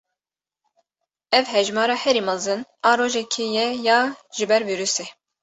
Ev hejmara herî mezin a rojekê ye ya ji ber vîrusê.